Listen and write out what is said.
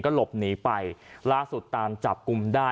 หลบหนีไปล่าสุดตามจับกลุ่มได้